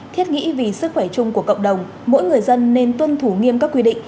thiết nghĩ vì sức khỏe chung của cộng đồng mỗi người dân nên tuân thủ nghiêm các quy định